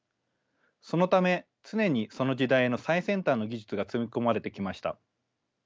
そのため常にその時代の最先端の技術がつぎ込まれてきました。